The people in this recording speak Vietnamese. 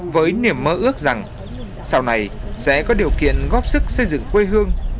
với niềm mơ ước rằng sau này sẽ có điều kiện góp sức xây dựng quê hương